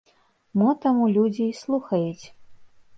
Мо таму людзі і слухаюць.